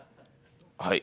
はい。